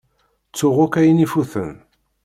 Ttuɣ akk ayen ifuten.